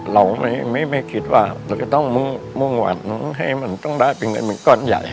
เรามืดไม่คิดว่าจะต้องมุกมวงวัลมึงมึงให้มันต้องได้เป็นเงินมินกรรมใหญ่